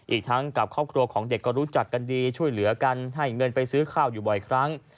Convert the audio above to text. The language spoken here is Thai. อีกทั้งกับครอบครัวของเด็กก็รู้จักกันดีช่วยเหลือกันให้เงินไปซื้อข้าวอยู่บ่อยครั้ง